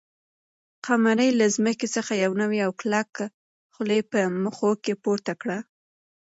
قمرۍ له ځمکې څخه یو نوی او کلک خلی په مښوکه کې پورته کړ.